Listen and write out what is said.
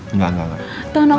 enggak enggak enggak